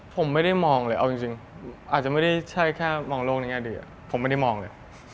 ผมไม่ได้มองเลยเอาจริงอาจจะไม่ได้ใช่แค่มองโลกในแง่ดีผมไม่ได้มองเลย